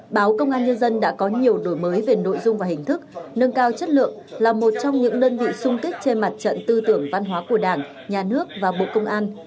báo công an nhân dân đã có nhiều đổi mới về nội dung và hình thức nâng cao chất lượng là một trong những đơn vị xung kích trên mặt trận tư tưởng văn hóa của đảng nhà nước và bộ công an